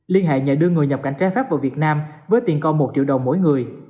liên hệ nhờ đưa người nhập cảnh trái phép vào việt nam với tiền công một triệu đồng mỗi người